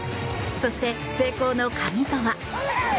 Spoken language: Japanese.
そして、成功の鍵とは。